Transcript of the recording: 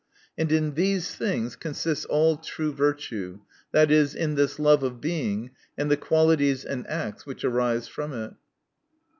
And in these things consists all true virtue, viz., in this love of Being, and the qualities and acts which arise from it.